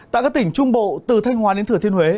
tại các tỉnh trung bộ từ thanh hóa đến thừa thiên huế